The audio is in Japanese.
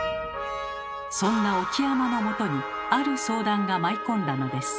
そんな沖山のもとにある相談が舞い込んだのです。